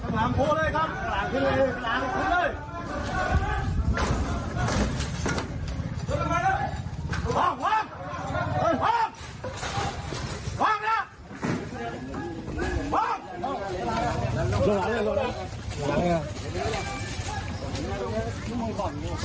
เฮ้ยล้อมาล้อมา